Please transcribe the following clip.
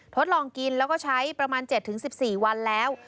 ทดลองกินแล้วก็ใช้ประมาณ๗๑๔วันแล้ว